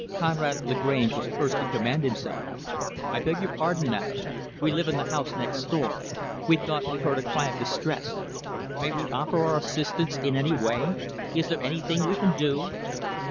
Conrad Lagrange was first to command himself. "I beg your pardon, madam. We live in the house next door. We thought we heard a cry of distress. May we offer our assistance in any way? Is there anything we can do?"